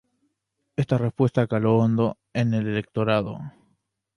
Esta respuesta caló hondo en el electorado.